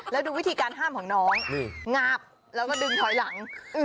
แล้วดูวิธีการห้ามของน้องงาบแล้วก็ดึงถอยหลัง